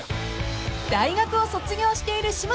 ［大学を卒業している嶋佐さん］